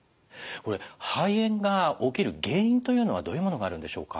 肺炎が起きる原因というのはどういうものがあるんでしょうか？